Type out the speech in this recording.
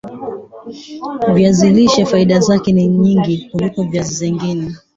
viazi lishe faida zake ni nyingi kuliko viazi vingine